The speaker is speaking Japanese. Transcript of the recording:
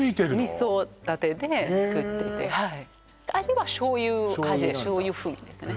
２層仕立てで作っていてはい味は醤油味醤油風味ですね